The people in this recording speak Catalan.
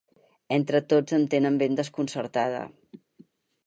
Entre tots em tenen ben desconcertada.